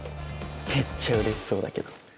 めっちゃうれしそうだけど。